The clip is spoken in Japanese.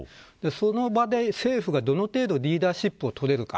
その場で政府がどの程度リーダーシップを取れるか。